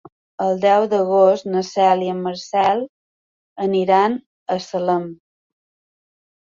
El deu d'agost na Cel i en Marcel aniran a Salem.